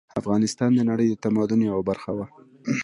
افغانستان د نړۍ د تمدن یوه برخه وه